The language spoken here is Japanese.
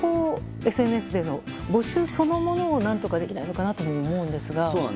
ＳＮＳでの募集そのものを何とかできないのかなとも思うんですが。